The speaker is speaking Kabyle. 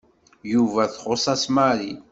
Yuba txuṣṣ-as Mary.